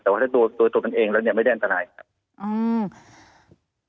แต่ว่าถ้าตัวตัวมันเองแล้วเนี่ยไม่ได้อันตรายครับ